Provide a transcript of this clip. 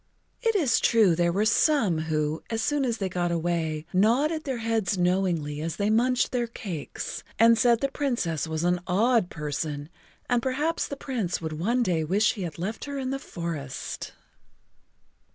It is true there were some who, as soon as they got away, nodded their heads knowingly as they munched their cakes, and said the Princess was an odd person and perhaps the Prince would one day wish he had left her in the forest.